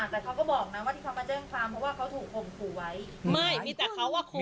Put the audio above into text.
แต่เขาก็บอกนะว่าที่เขามาแจ้งความเพราะว่าเขาถูกคงขู่ไว้